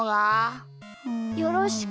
よろしく。